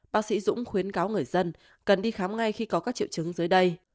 bác sĩ dũng khuyến cáo người dân cần đi khám ngay khi có các triệu chứng dưới đây